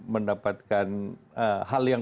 mendapatkan hal yang